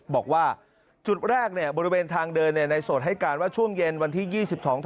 บอกว่าจุดแรกบริเวณทางเดินในโสดให้การว่าช่วงเย็นวันที่๒๒